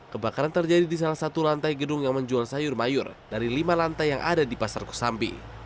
kebakaran terjadi di salah satu lantai gedung yang menjual sayur mayur dari lima lantai yang ada di pasar kosambi